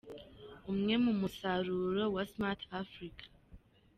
Umwe mu musaruro wa Smart Africa